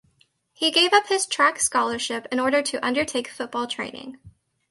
He gave up his track scholarship in order to undertake football training.